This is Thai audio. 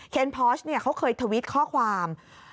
เคนพอร์ชเขาเคยตวิตเกิ้ลข้อความ